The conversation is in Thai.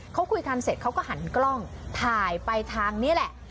เขาคุยกันเสร็จเขาก็หันกล้องถ่ายไปทางนี้แหละ